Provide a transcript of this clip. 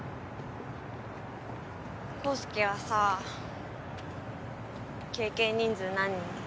康祐はさ経験人数何人？